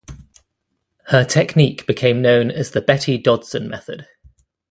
Her technique became known as the Betty Dodson Method.